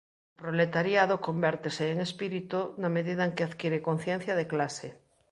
O proletariado convértese en Espírito na medida en que adquire conciencia de clase.